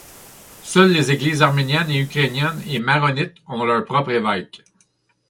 Seules les Églises arménienne, ukrainienne et maronite ont leur propre évêque.